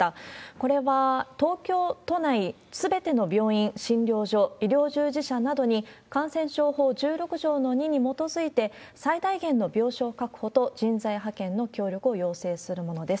これは東京都内すべての病院、診療所、医療従事者などに、感染症法１６条の２に基づいて、最大限の病床確保と人材派遣の協力を要請するものです。